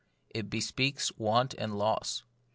It bespeaks want and loss.